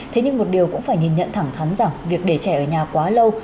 thế nhưng một điều cũng phải nhìn nhận thẳng thắn rằng việc để trẻ ở nhà quá lâu